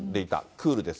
クールです。